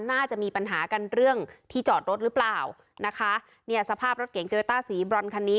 น่าจะมีปัญหากันเรื่องที่จอดรถหรือเปล่านะคะเนี่ยสภาพรถเก๋งโยต้าสีบรอนคันนี้